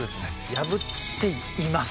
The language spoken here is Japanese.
破っています。